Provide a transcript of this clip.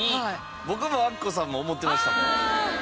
僕もアッコさんも思ってましたもん。